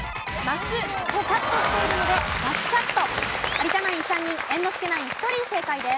有田ナイン３人猿之助ナイン１人正解です。